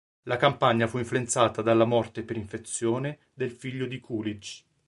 La campagna fu influenzata dalla morte per infezione del figlio di Coolidge.